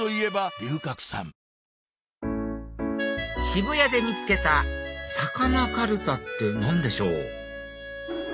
渋谷で見つけたさかなかるたって何でしょう？